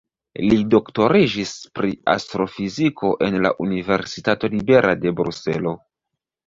Li doktoriĝis pri astrofiziko en la Universitato Libera de Bruselo.